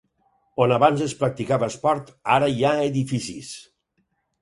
On abans es practicava esport ara hi ha edificis.